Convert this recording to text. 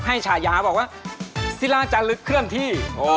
ให้ฉายาบอกว่าซิล่าจานลึกเคลื่อนที่